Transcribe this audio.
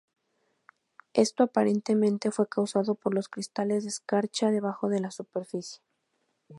Esto aparentemente fue causado por cristales de escarcha debajo de la superficie.